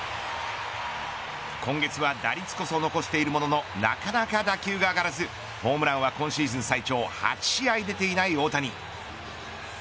今月は打率こそ残しているもののなかなか打球が上がらずホームランは今シーズン最長８試合出ていない大谷。